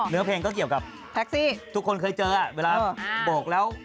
เนื้อเพลงก็เกี่ยวกับทุกคนเคยเจออ่ะเวลาโบกแล้ว